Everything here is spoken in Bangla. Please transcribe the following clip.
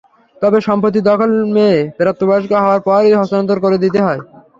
তবে সম্পত্তির দখল মেয়ে প্রাপ্তবয়স্ক হওয়ার পরই হস্তান্তর করে দিতে হবে।